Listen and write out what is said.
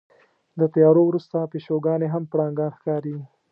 د تیارو وروسته پیشوګانې هم پړانګان ښکاري.